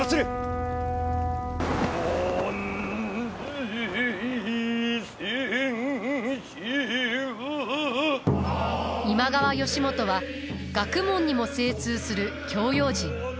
万歳千秋今川義元は学問にも精通する教養人。